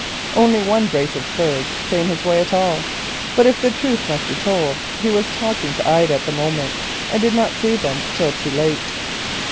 Only one brace of birds came his way at all, but if the truth must be told, he was talking to Ida at the moment and did not see them till too late.